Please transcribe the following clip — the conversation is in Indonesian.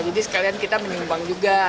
jadi sekalian kita menyumbang juga